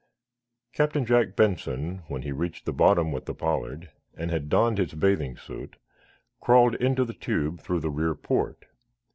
Captain Jack Benson, when he reached bottom with the "Pollard," and had donned his bathing suit, crawled into the tube through the rear port.